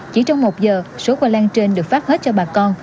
chỉ trong một giờ số khoai lang trên được phát hết cho bà con